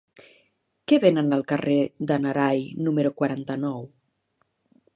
Què venen al carrer de n'Arai número quaranta-nou?